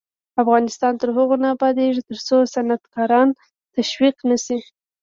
افغانستان تر هغو نه ابادیږي، ترڅو صنعتکاران تشویق نشي.